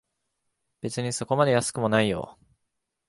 別にそこまで安くもないよ